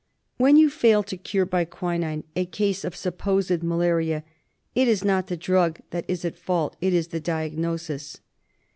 When you fail to cure by quinine a case of supposed malaria it is not the drug that is at fault, it is the diagnosis.